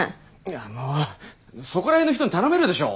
ああもうそこら辺の人に頼めるでしょう！